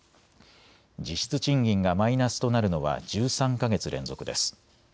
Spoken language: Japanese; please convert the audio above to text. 実質賃金がマイナスとなるのは１３か月連続です。